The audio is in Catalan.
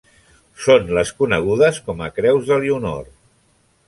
Són les conegudes com a Creus d'Elionor.